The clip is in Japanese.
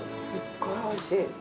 すっごいおいしい。